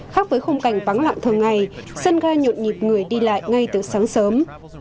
khác với không cảnh bắn lặng thường ngày sân ga nhộn nhịp người đi lại ngay từ sáng sớm